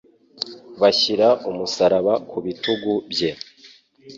bashyira umusaraba ku bitugu bye.